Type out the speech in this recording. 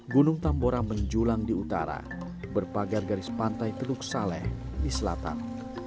gunung tambora menjulang di utara berpagar garis pantai teluk saleh di selatan